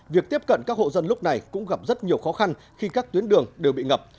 việc tiếp cận các hộ dân lúc này cũng gặp rất nhiều khó khăn khi các tuyến đường đều bị ngập